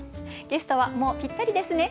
ゲストはもうぴったりですね。